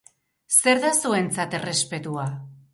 Zer da zuentzat errespetua?